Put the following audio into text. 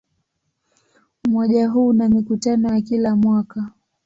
Umoja huu una mikutano ya kila mwaka.